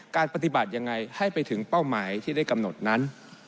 การปฏิบัติยังไงให้ไปถึงเป้าหมายที่ได้กำหนดนั้น